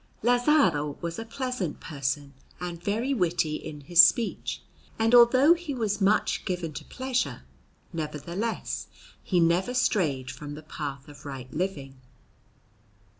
Lazzaro was a pleasant person and very witty in his speech; and although he was much given to pleasure, nevertheless he never strayed from the path of right living.